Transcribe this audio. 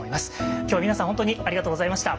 今日は皆さん本当にありがとうございました。